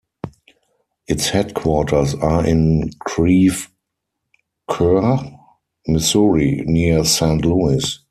Its headquarters are in Creve Coeur, Missouri, near Saint Louis.